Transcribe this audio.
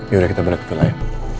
yaudah kita balik ke villa ya